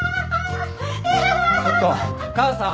ちょっと母さん。